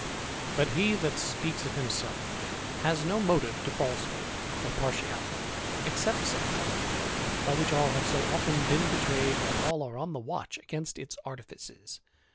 But he that speaks of himself has no motive to falsehood Or partiality except self love, by which all have so often been betrayed that all are on the watch against its artifices.